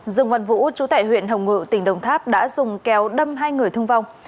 dương văn vũ chú tại huyện hồng ngự tỉnh đồng tháp đã dùng kéo đâm hai người thương vong